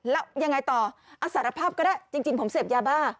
แล้วยังไงต่อสารภาพก็ได้จริงผมเสพยาบ้า